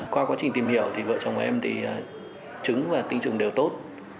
qua quá trình tìm hiểu thì vợ chồng em thì trứng và tinh trùng đều tốt